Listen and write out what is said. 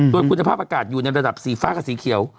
โดยคุณภาพอากาศอยู่ในระดับสีฟ้ากับสีเขียว